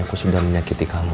aku sudah menyakiti kamu